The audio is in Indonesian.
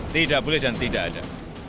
tidak boleh dan tidak ada